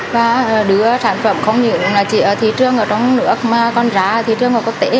và đưa sản phẩm không chỉ ở thị trường trong nước mà còn ra ở thị trường ở quốc tế